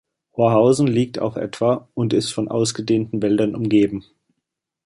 Horhausen liegt auf etwa und ist von ausgedehnten Wäldern umgeben.